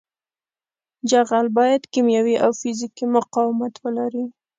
جغل باید کیمیاوي او فزیکي مقاومت ولري